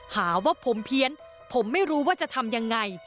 หาว่าผมเพี้ยนผมไม่รู้ว่าจะทำยังไง